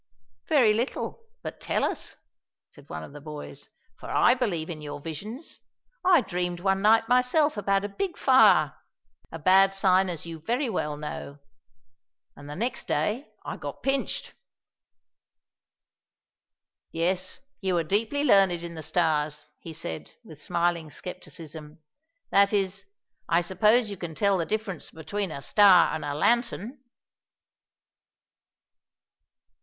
"Very little, but tell us," said one of the boys, "for I believe in your visions. I dreamed one night myself about a big fire a bad sign as you very well know and the next day I got 'pinched.'" "Yes, you are deeply learned in the Stars," he said with smiling skepticism, "that is, I suppose you can tell the difference between a star and a lantern."